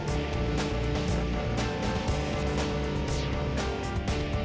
emang belum itu